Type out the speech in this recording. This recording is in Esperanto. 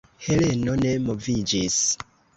Heleno ne moviĝis.